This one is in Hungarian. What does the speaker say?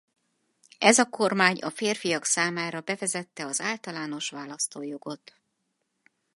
Ez a kormány a férfiak számára bevezette az általános választójogot.